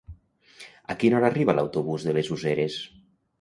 A quina hora arriba l'autobús de les Useres?